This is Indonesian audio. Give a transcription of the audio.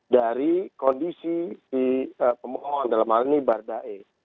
dari kondisi pemohon dalam hal ini bardaik